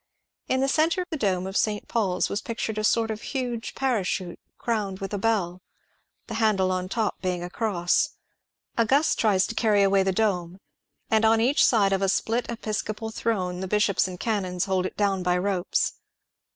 In the centre the dome of St. Paul's was pictured as a sort of huge parachute crowned with a bell, the handle on top being a cross : a gust tries to carry away the dome, and on each side of a split episcopal throne the bishops and canons hold it down by ropes.